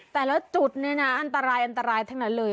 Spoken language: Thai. แต่แล้วจุดเนี่ยนะอันตรายทั้งนั้นเลย